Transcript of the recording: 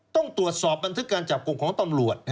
ต้องตรวจสอบบันทึกการจับกลุ่มของตำรวจ